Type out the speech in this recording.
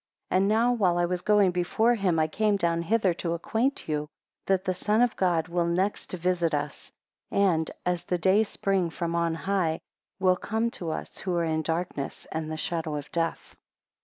14 And now while I was going before him, I came down hither to acquaint you, that the Son of God will next visit us, and, as the day spring from on high, will come to us, who are in darkness and the shadow of death.